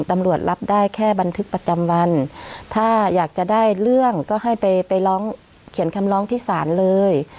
ตำรวจรับได้แค่บันทึกประจำวันถ้าอยากจะได้เรื่องก็ให้ไปไปร้องเขียนคำร้องที่ศาลเลย